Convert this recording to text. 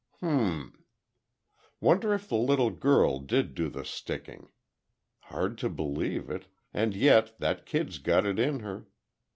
H'm. Wonder if the little girl did do the sticking. Hard to believe it, and yet that kid's got it in her.